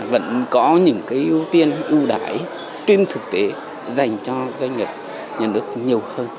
vẫn có những cái ưu tiên ưu đại trên thực tế dành cho doanh nghiệp nhà nước nhiều hơn